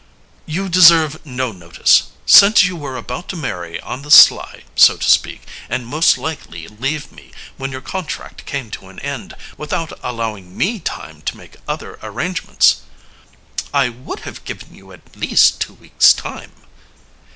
"You deserve no notice since you were about to marry on the sly, so to speak, and, most likely, leave me when your contract came to an end without allowing me time to make other arrangements." "I would have given you at least two weeks time."